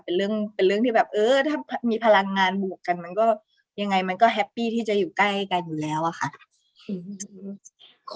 เป็นเรื่องที่แบบเออถ้ามีพลังงานบวกกันมันก็ยังไงมันก็แฮปปี้ที่จะอยู่ใกล้กันอยู่แล้วอะค่ะ